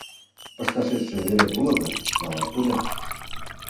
— Пышташетше верет уло гын, налат тудо.